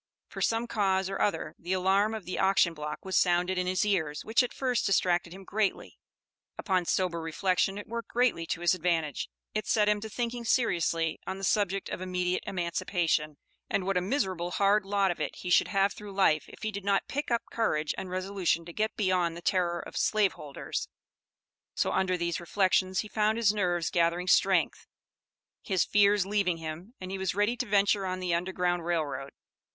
For some cause or other the alarm of the auction block was sounded in his ears, which at first distracted him greatly; upon sober reflection it worked greatly to his advantage. It set him to thinking seriously on the subject of immediate emancipation, and what a miserable hard lot of it he should have through life if he did not "pick up" courage and resolution to get beyond the terror of slave holders; so under these reflections he found his nerves gathering strength, his fears leaving him, and he was ready to venture on the Underground Rail Road.